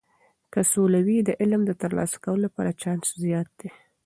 که سوله وي، د علم د ترلاسه کولو لپاره چانس زیات دی.